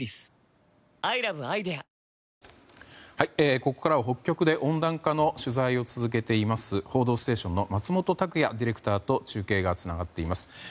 ここからは北極で温暖化の取材を続けています「報道ステーション」の松本拓也ディレクターと中継がつながっています。